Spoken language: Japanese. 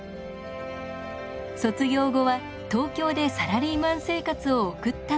卒業後は東京でサラリーマン生活を送ったのですが。